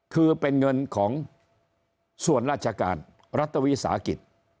คือเป็นเงินของส่วนราชการรัฐวิสาหกิจ